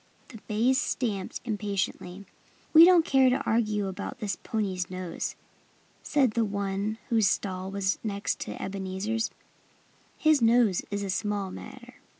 The bays stamped impatiently. "We don't care to argue about this pony's nose," said the one whose stall was next to Ebenezer's. "His nose is a small matter.